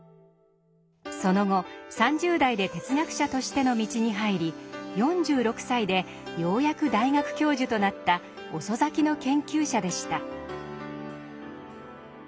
その後３０代で哲学者としての道に入り４６歳でようやく大学教授となった遅咲きの研究者でした。